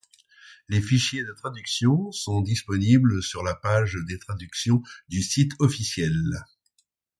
Les fichiers de traductions sont disponibles sur la page des traductions du site officiel.